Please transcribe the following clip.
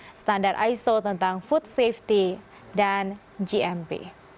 atau sni serta berdasarkan standar iso tentang food safety dan gmp